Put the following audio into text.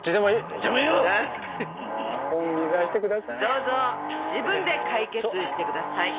どうぞ自分で解決してください。